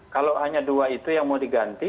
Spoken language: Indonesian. kalau hanya dua itu yang mau diganti